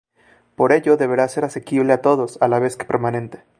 Por ello, deberá ser asequible a todos, a la vez que permanente.